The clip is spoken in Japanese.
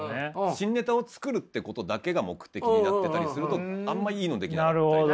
新ネタを作るってことだけが目的になってたりするとあんまいいの出来なかったりとか。